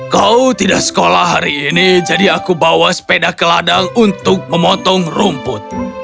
kau tidak sekolah hari ini jadi aku bawa sepeda ke ladang untuk memotong rumput